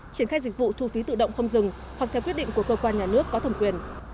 triển khai dịch vụ thu phí tự động không dừng hoặc theo quyết định của cơ quan nhà nước có thẩm quyền